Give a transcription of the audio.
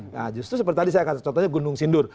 nah justru seperti tadi saya contohnya gunung sindur